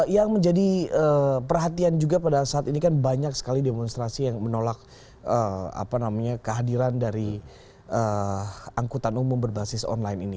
yang menjadi perhatian juga pada saat ini kan banyak sekali demonstrasi yang menolak kehadiran dari angkutan umum berbasis online ini